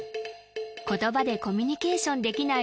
言葉でコミュニケーションできない